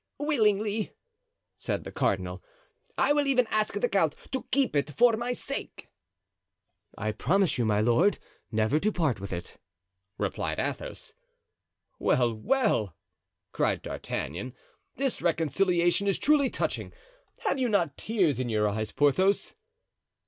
"Willingly," said the cardinal; "I will even ask the count to keep it for my sake." "I promise you, my lord, never to part with it," replied Athos. "Well, well," cried D'Artagnan, "this reconciliation is truly touching; have you not tears in your eyes, Porthos?"